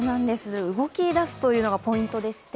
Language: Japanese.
動き出すというのがポイントでして、